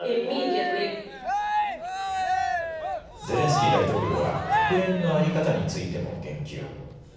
ゼレンスキー大統領は国連の在り方についても言及。